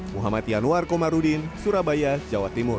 muhammad yanwar komarudin surabaya jawa timur